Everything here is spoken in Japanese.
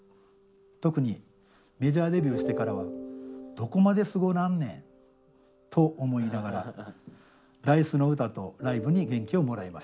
特にメジャーデビューしてからはどこまですごなんねんと思いながらＤａ−ｉＣＥの歌とライブに元気をもらいました。